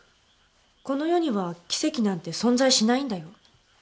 「この世には奇跡なんて存在しないんだよ」。